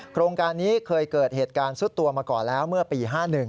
โครงการนี้เคยเกิดเหตุการณ์ซุดตัวมาก่อนแล้วเมื่อปี๕๑